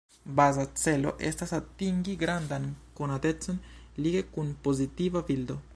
Baza celo estas atingi grandan konatecon lige kun pozitiva bildo.